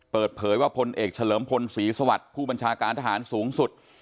เปิดเผยว่าพลเอกเฉลิมพลศรีสวัสดิ์ผู้บัญชาการทหารสูงสุด